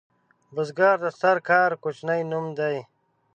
بزګر د ستر کار کوچنی نوم دی